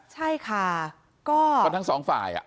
ใช่ค่ะก็ทั้งสองฝ่าย